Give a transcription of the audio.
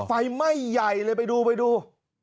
ไฟไหม้ใหญ่เลยไปดู